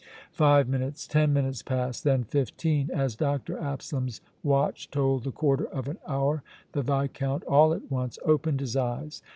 Five minutes, ten minutes passed, then fifteen. As Dr. Absalom's watch told the quarter of an hour, the Viscount all at once opened his eyes.